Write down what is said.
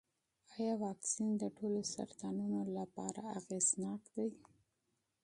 ایا واکسین د ټولو سرطانونو لپاره اغېزناک دی؟